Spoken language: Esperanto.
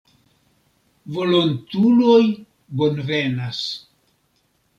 Volontuloj bonvenas.